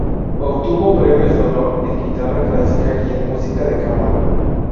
Obtuvo Premios de Honor en Guitarra Clásica y en Música de Cámara.